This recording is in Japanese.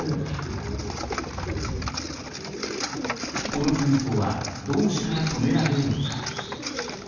この戦争はどうしたら止められるのか。